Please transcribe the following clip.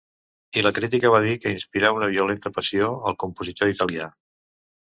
I la crítica va dir que inspirà una violenta passió al compositor italià.